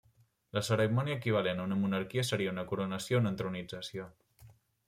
La cerimònia equivalent en una monarquia seria una coronació o entronització.